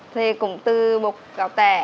thì cũng từ bột gạo tẻ